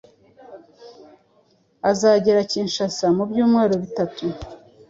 azagera Kinshasa mu "byumweru bitatu”.